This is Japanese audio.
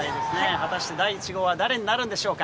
果たして第１号は誰になるんでしょうか。